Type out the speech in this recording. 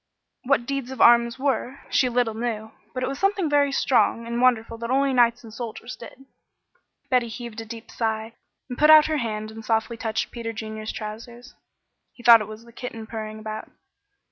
What deeds of arms were, she little knew, but it was something very strong and wonderful that only knights and soldiers did. Betty heaved a deep sigh, and put out her hand and softly touched Peter Junior's trousers. He thought it was the kitten purring about.